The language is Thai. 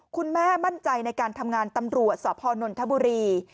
คุณแม่มั่นใจในการทำงานตำรวจสพนนทบุรี